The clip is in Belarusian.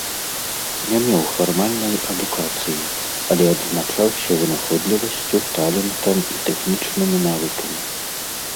Не меў фармальнай адукацыі, але адзначаўся вынаходлівасцю, талентам і тэхнічнымі навыкамі.